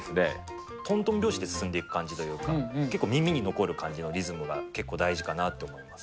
とんとん拍子で進んでいく感じというか、結構耳に残る感じのリズムが結構大事かなと思います。